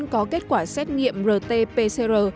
có kết quả xét nghiệm rt pcr